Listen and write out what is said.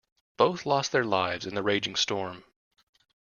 Both lost their lives in the raging storm.